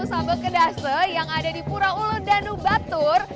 upacara ngusaba kedasa yang ada di pura ulu danu batur